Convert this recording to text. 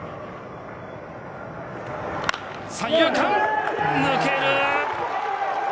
三遊間、抜ける。